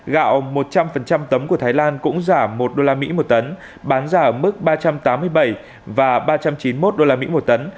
gạo một trăm linh tấm của thái lan cũng giảm một usd một tấn bán ra ở mức ba trăm tám mươi bảy và ba trăm chín mươi một usd một tấn